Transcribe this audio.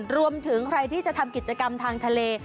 รวมถึงใครที่จะทำกิจกรรมทางทะเล